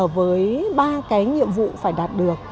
với ba cái nhiệm vụ phải đạt được